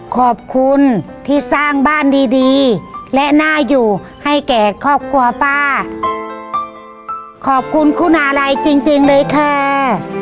ขอบคุณที่สร้างบ้านดีดีและน่าอยู่ให้แก่ครอบครัวป้าขอบคุณคุณาลัยจริงจริงเลยค่ะ